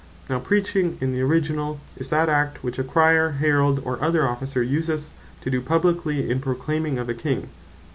Now Preaching in the originall, is that act, which a Crier, Herald, or other Officer useth to doe publiquely in Proclaiming of a King.